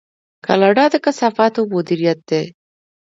کاناډا د کثافاتو مدیریت کوي.